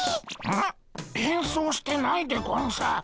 ん？変装してないでゴンス。